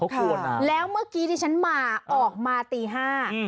ควรนะแล้วเมื่อกี้ที่ฉันมาออกมาตีห้า